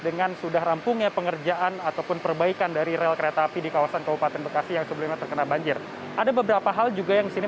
dan di mana perbaikan rel kereta api sudah selesai dilakukan